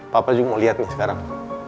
papa juga mau lihat nih sekarang